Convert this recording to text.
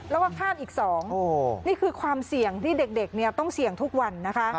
แล้วก็ข้ามอีก๒นี่คือความเสี่ยงที่เด็กต้องเสี่ยงทุกวันนะคะ